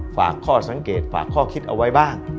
ฝากข้อสังเกตฝากข้อคิดเอาไว้บ้าง